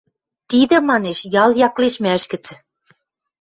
— Тидӹ, манеш, ял яклештмӓш гӹц.